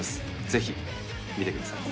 ぜひ見てください。